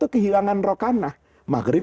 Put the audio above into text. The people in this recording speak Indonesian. kehilangan rokanah maghrib